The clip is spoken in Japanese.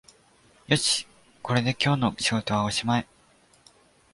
よし、これで今日の仕事はおしまい